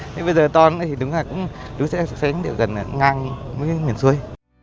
thế bây giờ to thì đúng là cũng sẽ gần ngang với miền xuôi